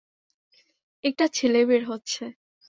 একটা ছেলে বের হচ্ছে!